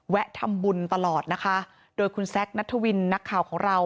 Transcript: ทำบุญตลอดนะคะโดยคุณแซคนัทวินนักข่าวของเรา